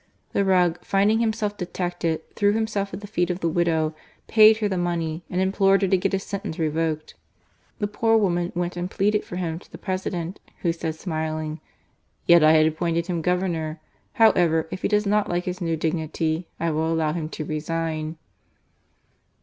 The rogue, finding himself detected, threw him» self at the feet of the widow, paid her the money, and implored her to get his sentence revoked. The poor woman went and pleaded for him to the President, who said smiling :" Yet I had appointed him Governor ; however, if he does not like his new dignity, I will allow him to resign."